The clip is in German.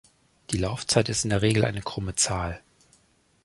Die Laufzeit ist in der Regel eine krumme Zahl.